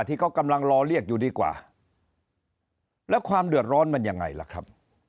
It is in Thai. ที่เขากำลังรอเรียกอยู่ดีกว่าแล้วความเดือดร้อนมันยังไงล่ะครับ